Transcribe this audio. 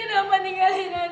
nenek kenapa tinggalin nenek